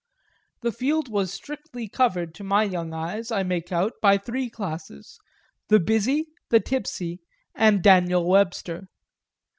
The field was strictly covered, to my young eyes, I make out, by three classes, the busy, the tipsy, and Daniel Webster.